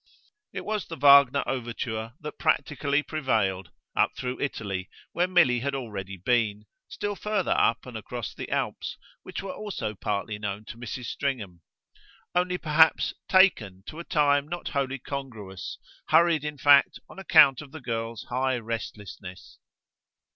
It was the Wagner overture that practically prevailed, up through Italy, where Milly had already been, still further up and across the Alps, which were also partly known to Mrs. Stringham; only perhaps "taken" to a time not wholly congruous, hurried in fact on account of the girl's high restlessness.